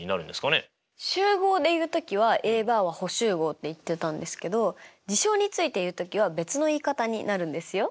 集合で言うときはＡバーは補集合って言ってたんですけど事象について言うときは別の言い方になるんですよ。